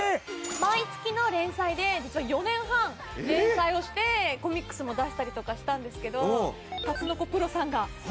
毎月の連載で実は４年半連載をしてコミックスも出したりとかしたんですけどタツノコプロさんがアニメを作ってくださって。